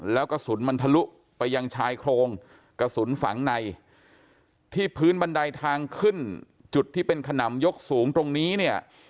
แล้วกระสุนมันทะลุไปยังชายโครงกระสุนฝังในที่พื้นบันไดทางขึ้นจุดที่เป็นขนำยกสูงตรงนี้เนี่ย